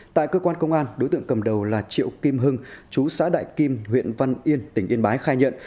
tại cơ quan công an đối tượng cầm đầu là triệu kim hưng chú xã đại kim huyện văn yên tỉnh yên bái khai nhận